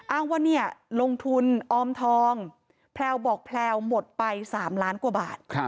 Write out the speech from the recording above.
อ้างว่าเนี่ยลงทุนออมทองแพลวบอกแพลวหมดไป๓ล้านกว่าบาท